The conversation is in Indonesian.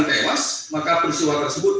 tewas maka peristiwa tersebut